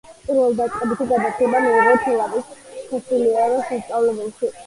პირველდაწყებითი განათლება მიიღო თელავის სასულიერო სასწავლებელში.